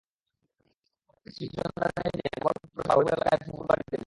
পরে তিনি স্ত্রী-সন্তানদের নিয়ে নাঙ্গলকোট পৌরসভার হরিপুর এলাকায় ফুফুর বাড়িতে যান।